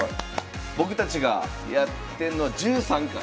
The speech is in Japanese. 僕たちがやってんのは１３回。